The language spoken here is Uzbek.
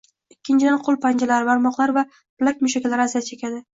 Ikkinchidan, qo‘l panjalari, barmoqlar va bilak mushaklari aziyat chekadi.